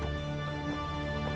ternyata anda memiliki istri yang lain